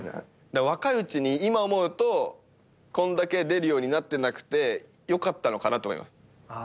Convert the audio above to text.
若いうちに今思うとこんだけ出るようになってなくてよかったのかなと思います。